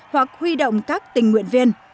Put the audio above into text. hoặc huy động các tình nguyện viên